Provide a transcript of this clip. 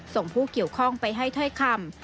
ส่งผู้เกี่ยวข้องไปให้ถ้อยคำ